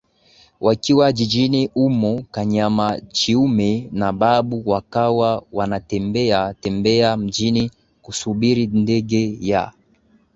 Wakiwa jijini humo Kanyama Chiume na Babu wakawa wanatembea tembea mjini kusubiri ndege ya